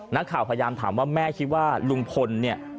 นักข่าวพยายามถามว่าแม่คิดว่าลุงพลเนี่ย